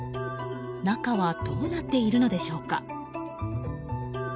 中はどうなっているのでしょうか。